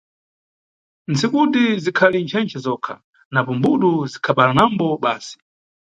Ntsikuti zikhali nchenche zokha, napo mbudu zikhabalanambo basi.